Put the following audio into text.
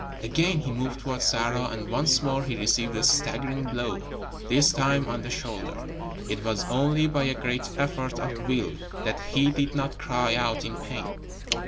Again he moved toward Sarah, and once more he received a staggering blow this time on the shoulder. It was only by a great effort of will that he did not cry out in pain.